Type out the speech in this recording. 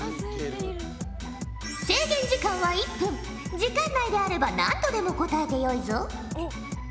時間内であれば何度でも答えてよいぞ。